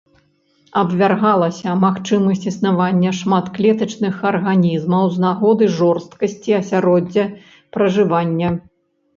Абвяргалася магчымасць існавання шматклетачных арганізмаў з нагоды жорсткасці асяроддзя пражывання.